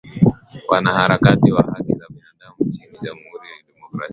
wanaharakati wa haki za binadamu nchini jamhuri ya kidemokrasi ya kongo